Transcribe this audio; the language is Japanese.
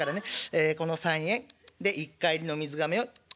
えこの３円。で一荷入りの水がめをおっと６円。